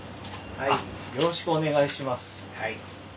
はい。